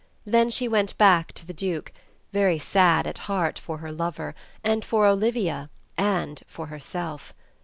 Then she went back to the Duke, very sad at heart for her lover, and for Olivia, and for herself.